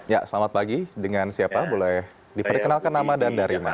ya selamat pagi dengan siapa boleh diperkenalkan nama dan dari mana